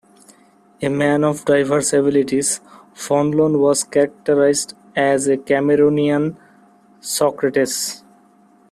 A man of diverse abilities, Fonlon was characterized as the Cameroonian Socrates.